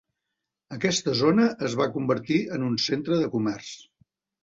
Aquesta zona es va convertir en un centre de comerç.